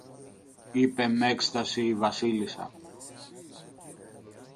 είπε μ' έκσταση η Βασίλισσα